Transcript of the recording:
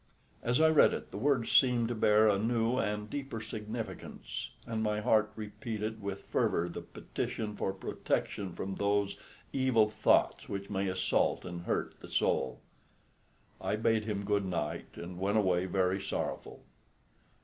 As I read it the words seemed to bear a new and deeper significance, and my heart repeated with fervour the petition for protection from those "evil thoughts which may assault and hurt the soul." I bade him good night and went away very sorrowful.